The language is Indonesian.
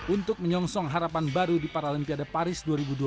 untuk menyongsong harapan baru di paralimpiade paris dua ribu dua puluh